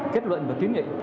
kết luận và kiến nghị